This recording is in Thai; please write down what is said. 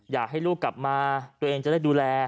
อยากให้ลูกกลับมาตัวเองจะได้ดูแล